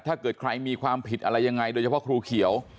ถ้าเกิดใครมีความผิดอะไรยังไงโดยเฉพาะครูเขียว